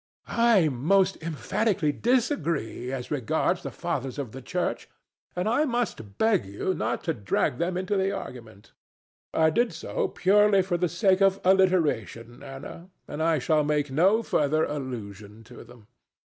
ANA. I most emphatically disagree as regards the Fathers of the Church; and I must beg you not to drag them into the argument. DON JUAN. I did so purely for the sake of alliteration, Ana; and I shall make no further allusion to them.